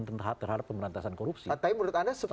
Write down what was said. terhadap pemberantasan korupsi tapi menurut anda